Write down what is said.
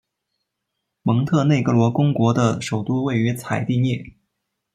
蒙特内哥罗公国的首都位于采蒂涅。